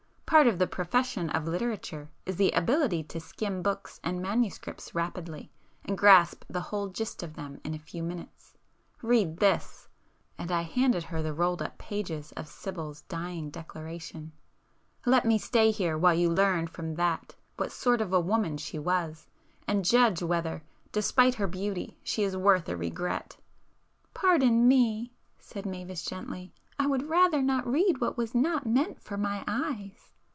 "Part of the profession of literature is the ability to skim books and manuscripts rapidly, and grasp the whole gist of them in a few minutes;—read this—" and I handed her the rolled up pages of Sibyl's dying declaration—"Let me stay here, while you learn from that what sort of a woman she was, and judge whether, despite her beauty, she is worth a regret!" "Pardon me,—" said Mavis gently—"I would rather not read what was not meant for my eyes."